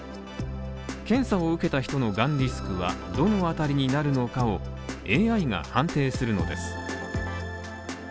検査を受けた人のがんリスクはどのあたりになるのかをＡＩが判定するのです。